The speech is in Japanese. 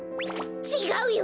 ちがうよ！